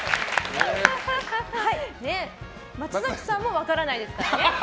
松崎さんも分からないですからね。